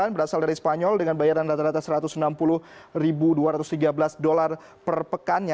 berasal dari spanyol dengan bayaran rata rata satu ratus enam puluh dua ratus tiga belas dolar per pekannya